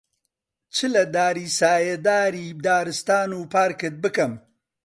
چ لە داری سایەداری دارستان و پارکت بکەم،